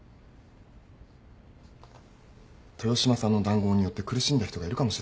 豊島さんの談合によって苦しんだ人がいるかもしれない。